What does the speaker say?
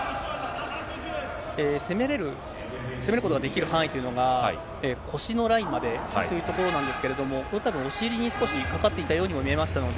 攻めれる、攻めることができる範囲というのが、腰のラインまでというところなんですけれども、たぶん、これ、お尻に少しかかっていたようにも見えましたので。